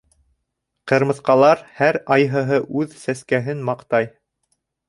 Ҡырмыҫҡалар һәр айһыһы үҙ сәскәһен маҡтай.